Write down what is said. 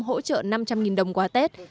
hỗ trợ năm trăm linh đồng qua tết